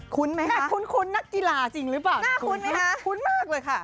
คุ้นไหมคะคุ้นนักกีฬาจริงหรือเปล่าคุ้นมากเลยค่ะน่าคุ้นไหมคะ